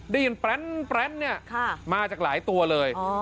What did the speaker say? ได้ยินแปร้นเนี่ยมาจากหลายตัวเลย